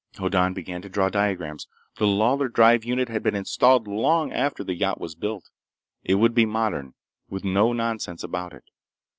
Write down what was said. Hoddan began to draw diagrams. The Lawlor drive unit had been installed long after the yacht was built. It would be modern, with no nonsense about it.